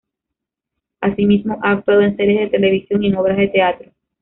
Asimismo, ha actuado en series de televisión y en obras de teatro.